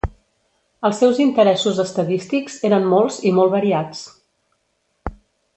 Els seus interessos estadístics eren molts i molt variats.